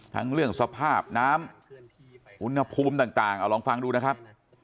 ทั้งเรื่องสภาพน้ำอุณหภูมิต่างเอาลองฟังดูนะครับ